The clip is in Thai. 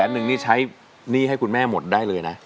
หนึ่งนี่ใช้หนี้ให้คุณแม่หมดได้เลยนะ